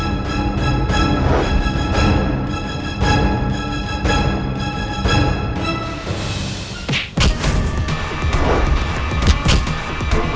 tidak ada yang boleh nyentuh kalung gue